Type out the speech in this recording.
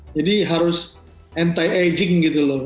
jadi harus anti aging gitu loh